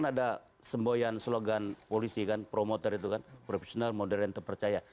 ada semboyan slogan polisi kan promoter itu kan profesional modern terpercaya